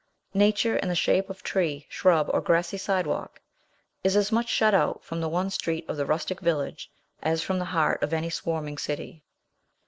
Nature, in the shape of tree, shrub, or grassy sidewalk, is as much shut out from the one street of the rustic village as from the heart of any swarming city.